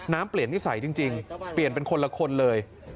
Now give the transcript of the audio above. น้ำเปลี่ยนที่ใสจริงจริงเปลี่ยนเป็นคนละคนเลย